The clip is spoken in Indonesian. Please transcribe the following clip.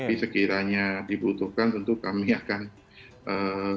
tapi sekiranya dibutuhkan tentu kami akan berupaya selalu